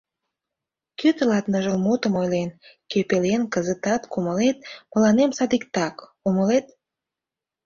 Кӧ тылат ныжыл мутым ойлен, Кӧн пелен кызытат кумылет, Мыланем садиктак, умылет?